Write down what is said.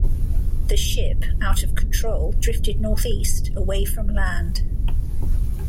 The ship, out of control, drifted northeast, away from land.